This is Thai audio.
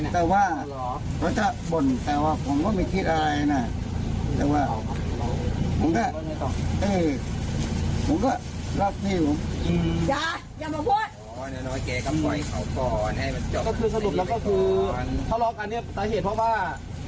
ก็คือสรุปแล้วก็คือทะเลาะกันเนี่ยสาเหตุเพราะว่า